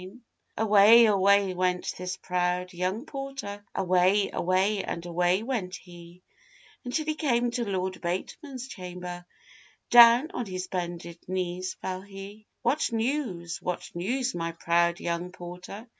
Away, away went this proud young porter, Away, away, and away went he, Until he came to Lord Bateman's chamber, Down on his bended knees fell he. 'What news, what news, my proud young porter?